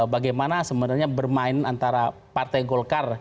bagaimana sebenarnya bermain antara partai golkar